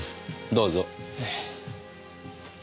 どうぞ。